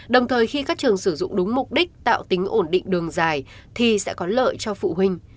đồng thời khi các trường sử dụng đúng mục đích tạo tính ổn định đường dài thì sẽ có lợi cho phụ huynh